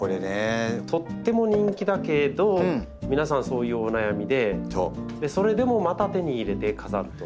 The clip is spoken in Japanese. とっても人気だけれど皆さんそういうお悩みでそれでもまた手に入れて飾ると。